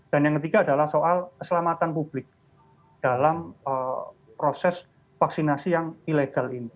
yang ketiga adalah soal keselamatan publik dalam proses vaksinasi yang ilegal ini